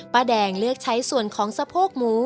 แดงเลือกใช้ส่วนของสะโพกหมู